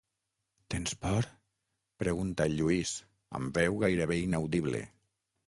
Tens por? –pregunta el Lluís, amb veu gairebé inaudible.